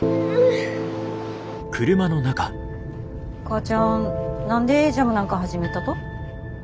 母ちゃん何でジャムなんか始めたと？